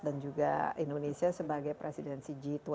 dan juga indonesia sebagai presidensi g dua puluh